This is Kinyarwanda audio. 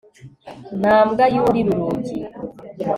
nta mbwa yurira urugi